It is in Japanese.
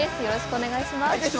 よろしくお願いします。